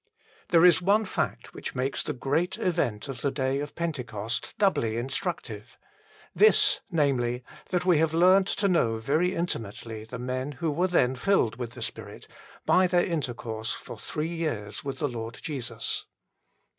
There is one fact which makes the great event of the day of Pentecost doubly instructive this, namely, that we have learned to know very intimately the men who were then filled with the Spirit, by their intercourse for three years 21 22 THE FULL BLESSING OF PENTECOST with the Lord Jesus.